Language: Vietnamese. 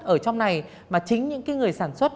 ở trong này mà chính những người sản xuất